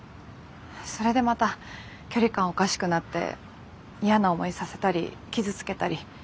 それでまた距離感おかしくなって嫌な思いさせたり傷つけたり。